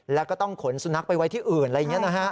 แล้วก็ต้องขนสุนัขไปไว้ที่อื่นอะไรอย่างนี้นะฮะ